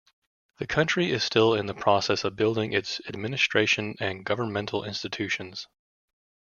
The country is still in the process of building its administration and governmental institutions.